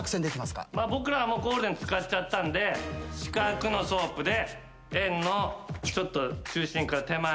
僕らはもうゴールデン使っちゃったんで四角のソープで円のちょっと中心か手前。